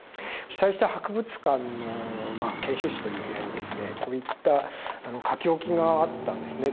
被災した博物館の研修室という部屋にですねこういった書き置きがあったんですね。